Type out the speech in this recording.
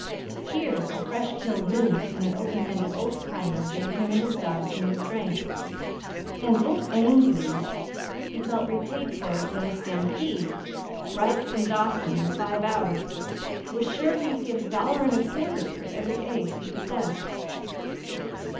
Here a fresh killed moose and an open handed old timer gave him and his dogs new strength, and at Ainslie's he felt repaid for it all when a stampede, ripe from Dawson in five hours, was sure he could get a dollar and a quarter for every egg he possessed.